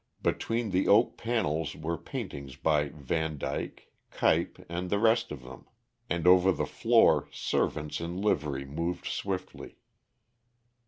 Between the oak panels were paintings by Van Dyck, Cuyp and the rest of them. And over the floor servants in livery moved swiftly.